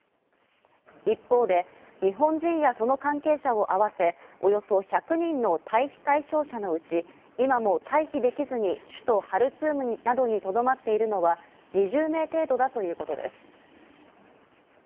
一方で日本人やその関係者を合わせ、およそ１００人の退避対象者のうち、今も退避できずに首都ハルツームなどにとどまっているのは２０名程度だということです。